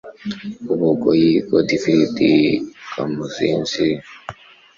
Ubugoyi Godifridi Kamuzinzi